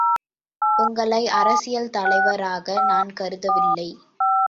உங்களை அரசியல் தலைவராக நான் கருதவில்லை.